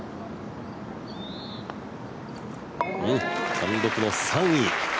単独の３位。